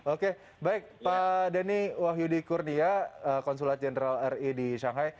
oke baik pak denny wahyudi kurnia konsulat jenderal ri di shanghai